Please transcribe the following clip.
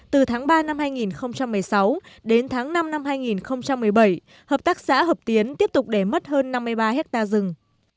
từ tháng ba năm hai nghìn một mươi sáu đến tháng năm năm hai nghìn một mươi bảy hợp tác xã hợp tiến tiếp tục để mất hơn năm mươi ba hectare rừng